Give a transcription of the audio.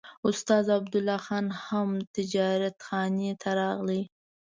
استاد عبدالله خان هم تجارتخانې ته راغی.